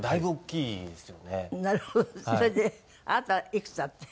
それであなたはいくつだって？